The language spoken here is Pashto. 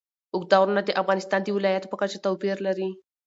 اوږده غرونه د افغانستان د ولایاتو په کچه توپیر لري.